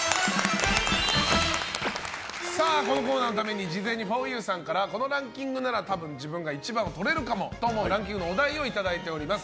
このコーナーのために事前にふぉゆさんからこのランキングならたぶん自分が一番をとれるかもと思うランキングのお題をいただいております。